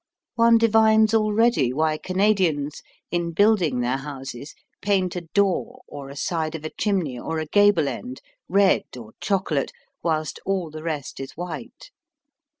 One divines already why Canadians, in building their houses, paint a door, or a side of a chimney, or a gable end, red or chocolate, whilst all the rest is white.